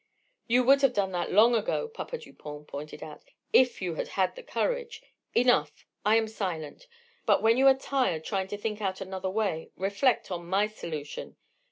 "You would have done that long ago," Papa Dupont pointed out, "if you had had the courage. Enough! I am silent. But when you are tired trying to think out another way, reflect on my solution.